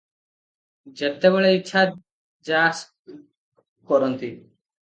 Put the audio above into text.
ଯେତେବେଳେ ଇଚ୍ଛା ଯା ଆସ କରନ୍ତି ।